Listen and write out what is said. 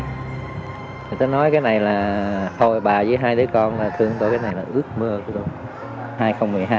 người ta nói cái này là thôi bà với hai đứa con là thương tôi cái này là ước mơ của tôi